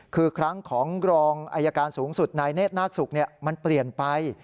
คือครั้งของกรองอายการสูงสุดนายเนธนาคศุกร์มันเปลี่ยนไป